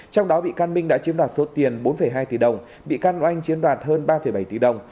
trong đó bị can minh đã chiếm đoạt số tiền bốn hai tỷ đồng bị can oanh chiếm đoạt hơn ba bảy tỷ đồng